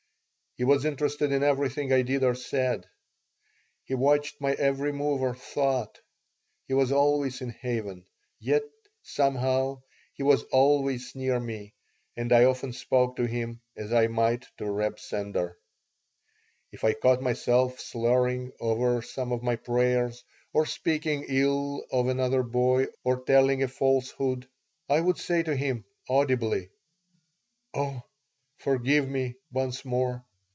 He was interested in everything I did or said; He watched my every move or thought; He was always in heaven, yet, somehow, he was always near me, and I often spoke to Him as I might to Reb Sender If I caught myself slurring over some of my prayers or speaking ill of another boy or telling a falsehood, I would say to Him, audibly: "Oh, forgive me once more.